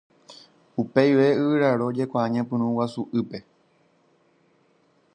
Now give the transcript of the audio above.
Upe guive Yvyraro ojekuaa ñepyrũ Guasu'ýpe.